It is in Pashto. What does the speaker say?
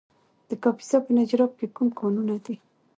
د کاپیسا په نجراب کې کوم کانونه دي؟